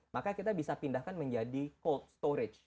maka kita bisa pindahkan menjadi cold storage